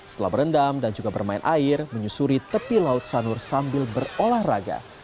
setelah berendam dan juga bermain air menyusuri tepi laut sanur sambil berolahraga